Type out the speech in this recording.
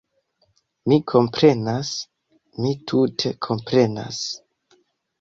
Mi komprenas... mi tute komprenas